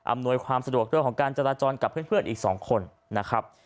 หน่วยความสะดวกเรื่องของการจราจรกับเพื่อนอีก๒คนนะครับ